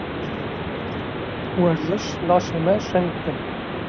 Werzîş, laşê me şeng dike.